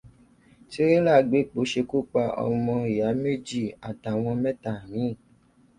Tírélà agbépo ṣekúpa ọmọ ìyá méjì àtàwọn mẹ́ta míì.